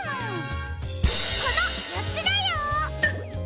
このよっつだよ！